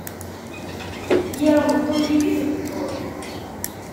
Yir meṭṭu, yif-it beṭṭu.